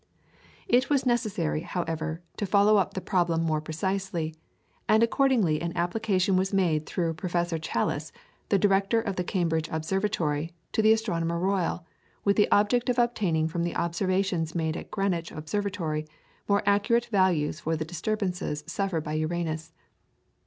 It was necessary, however, to follow up the problem more precisely, and accordingly an application was made through Professor Challis, the Director of the Cambridge Observatory, to the Astronomer Royal, with the object of obtaining from the observations made at Greenwich Observatory more accurate values for the disturbances suffered by Uranus.